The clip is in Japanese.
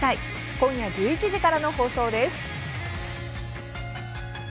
今夜１１時からの放送です。